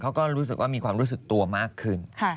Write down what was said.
เขาก็รู้สึกว่ามีความรู้สึกตัวมากขึ้น